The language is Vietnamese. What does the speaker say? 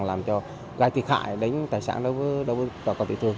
làm cho gai thiệt hại đến tài sản đối với bà con tiểu thương